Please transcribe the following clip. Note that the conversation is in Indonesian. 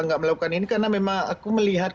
nggak melakukan ini karena memang aku melihat